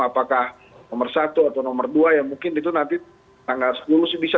apakah nomor satu atau nomor dua ya mungkin itu nanti tanggal sepuluh sih bisa